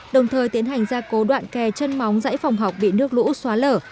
đồng thời tiến hành gia cố đoạn kè chân móng giải phòng học bị nước lũ xóa lở